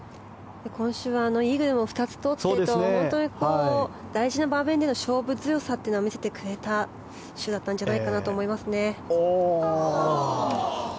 今週はイーグルも２つ取っていて本当に大事な場面での勝負強さというのは見せてくれた週だったんじゃないかなと思いますね。